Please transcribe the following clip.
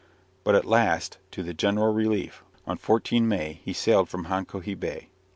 But at last, to the general relief, on 14 May he sailed from Honkohe Bay.